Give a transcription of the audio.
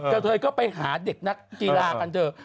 เธอก็ไปหาเด็กนักกีฬากันเถอะ